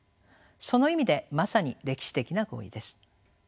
その意味でまさに歴史的な合意です。